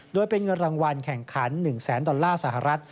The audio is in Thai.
โดยเป็นเงินรางวัลแข่งขัน๑แสนดอลลาร์สหรัฐ